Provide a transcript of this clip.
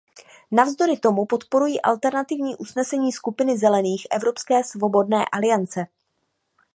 Navzdory tomu podporuji alternativní usnesení Skupiny Zelených/Evropské svobodné aliance.